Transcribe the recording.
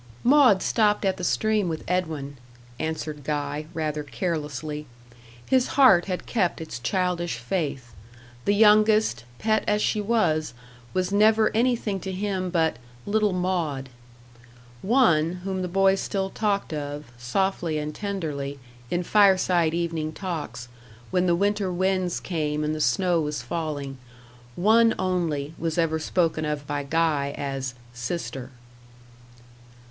"Maud stopped at the stream with Edwin," answered Guy, rather carelessly. His heart had kept its childish faith; the youngest, pet as she was, was never anything to him but "little Maud." One whom the boys still talked of, softly and tenderly, in fireside evening talks, when the winter winds came and the snow was falling one only was ever spoken of by Guy as "sister."